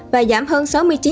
và giảm hơn sáu mươi chín